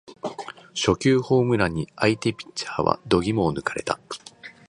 初球ホームランに相手ピッチャーは度肝を抜かれた